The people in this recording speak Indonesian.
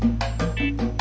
wyatt sungguh gue sakit